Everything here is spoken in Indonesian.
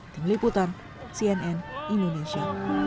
ting liputan cnn indonesia